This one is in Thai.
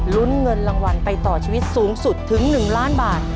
ลุ้นเงินรางวัลไปต่อชีวิตสูงสุดถึง๑ล้านบาท